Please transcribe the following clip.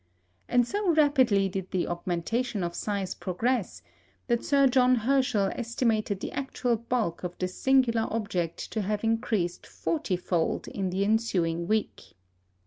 And so rapidly did the augmentation of size progress, that Sir John Herschel estimated the actual bulk of this singular object to have increased forty fold in the ensuing week.